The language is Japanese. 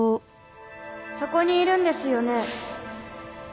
そこにいるんですよね